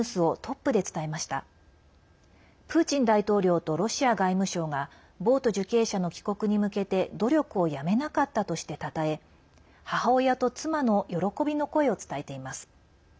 プーチン大統領とロシア外務省がボウト受刑者の帰国に向けて努力をやめなかったとしてたたえ母親と妻の喜びの声を伝えています。